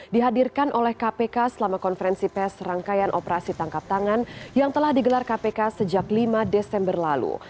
dihadirkan oleh kpk selama konferensi pes rangkaian operasi tangkap tangan yang telah digelar kpk sejak lima desember lalu